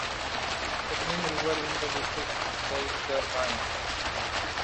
The main river in the district is the Nahe.